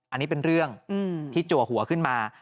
อันนี้เป็นเรื่องที่จัวหัวขึ้นมา